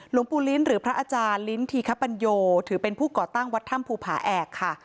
หลวงปู่ลิ้นหรือพระอาจารย์ลิ้นธีคปัญโยถือเป็นผู้ก่อตั้งวัดถ้ำภูผาแอกค่ะ